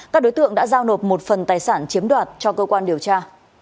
các đối tượng đã giao nộp một phần tài sản chiếm đoạt cho cơ quan điều tra